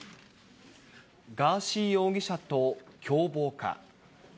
ガーシー容疑者と共謀か。